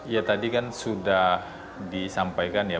ya tadi kan sudah disampaikan ya